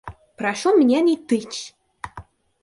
Прошу меня не тычь!